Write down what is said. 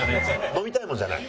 飲みたいものじゃない。